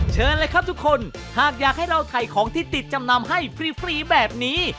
เชิญเลยครับทุกคนหากอยากให้เราถ่ายของที่ติดจำนำให้ฟรีแบบนี้